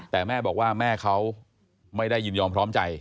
แต่แม่บอกว่าแม่เขาไม่ได้ยินยอมพร้อมใจ